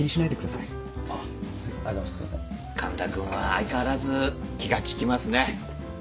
環田君は相変わらず気が利きますね。